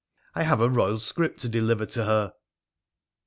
I have a Eoyal script to deliver to her.'